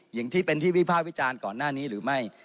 อย่างที่เป็นที่วิภาควิจารณ์ก่อนหน้านี้หรือไม่